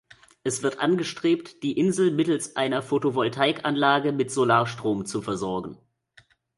Es wird angestrebt, die Insel mittels einer Photovoltaikanlage mit Solarstrom zu versorgen.